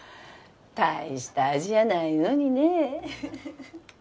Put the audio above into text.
大した味やないのにね